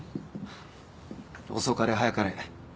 はっ遅かれ早かれ